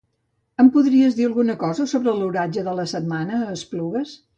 Em podries dir alguna cosa sobre l'oratge de la setmana a Esplugues?